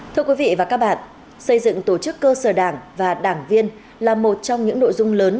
thưa quý vị và các bạn xây dựng tổ chức cơ sở đảng và đảng viên là một trong những nội dung lớn